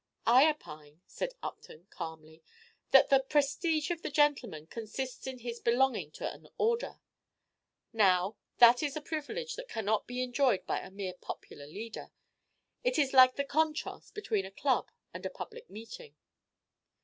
"I opine," said Upton, calmly, "that the 'prestige' of the gentleman consists in his belonging to an 'order.' Now, that is a privilege that cannot be enjoyed by a mere popular leader. It is like the contrast between a club and a public meeting."